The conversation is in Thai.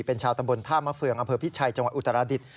เป็นชาวตำบลท่ามฟืองอพิชชัยจังหวัดอุตรฐฤษฐ์